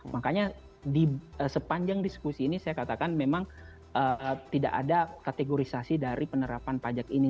makanya di sepanjang diskusi ini saya katakan memang tidak ada kategorisasi dari penerapan pajak ini